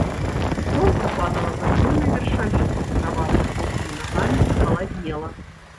Сонца падала за хвойныя вяршаліны, трава пад босымі нагамі халаднела.